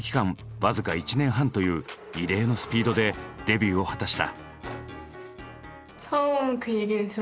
僅か１年半という異例のスピードでデビューを果たした。